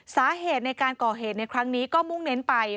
สาเหตุในการก่อเหตุในครั้งนี้ก็มุ่งเน้นไป